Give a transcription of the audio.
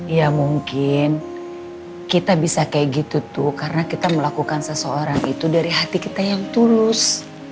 ya mungkin kita bisa kayak gitu tuh karena kita melakukan seseorang itu dari hati kita yang tulus